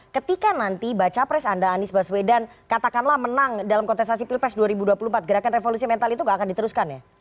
ketika nanti baca pres anda anies baswedan katakanlah menang dalam kontestasi pilpres dua ribu dua puluh empat gerakan revolusi mental itu gak akan diteruskan ya